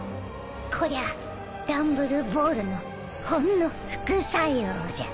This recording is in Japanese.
こりゃランブルボールのほんの副作用じゃ。